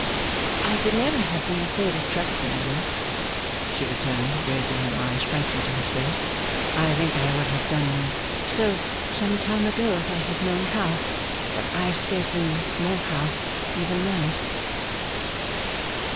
'I could never have been afraid of trusting you,' she returned, raising her eyes frankly to his face. 'I think I would have done so some time ago, if I had known how. But I scarcely know how, even now.